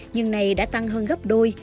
nhưng này đã tăng hơn gấp đôi